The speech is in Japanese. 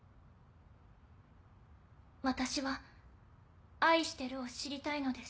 私は「愛してる」を知りたいのです。